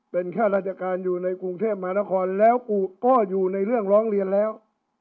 เป็นข้าราชการอยู่ในกรุงเทพมหานครแล้วกูก็อยู่ในเรื่องร้องเรียนแล้ว